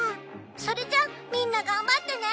「それじゃあみんな頑張ってね！」